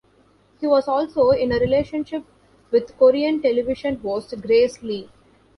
He was also in a relationship with Korean television host Grace Lee.